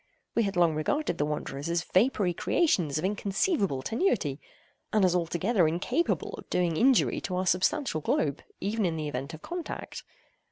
We had long regarded the wanderers as vapory creations of inconceivable tenuity, and as altogether incapable of doing injury to our substantial globe, even in the event of contact.